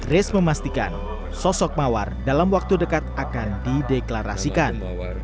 res memastikan sosok mawar dalam waktu dekat akan dideklarasikan